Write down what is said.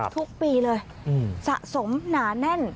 ทุกปีเลยสะสมหนาแน่น